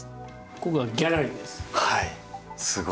今回はギャラリーです。